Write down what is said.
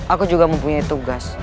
aku juga mempunyai tugas